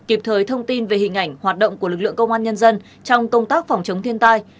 kịp thời thông tin về hình ảnh hoạt động của lực lượng công an nhân dân trong công tác phòng chống thiên tai